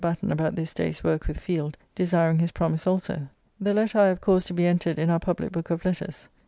Batten about this day's work with Field, desiring his promise also. The letter I have caused to be entered in our public book of letters.